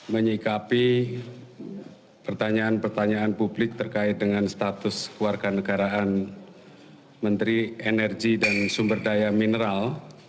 menyikapi pertanyaan pertanyaan publik terkait dengan status keluarga negaraan menteri energi dan sumber daya mineral